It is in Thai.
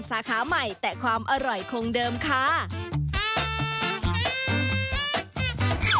สาขาใหม่แต่ความอร่อยคงเดิมค่ะ